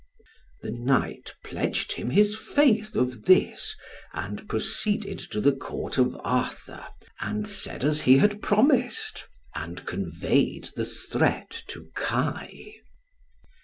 The knight pledged him his faith of this, and proceeded to the Court of Arthur, and said as he had promised, and conveyed the threat to Kai.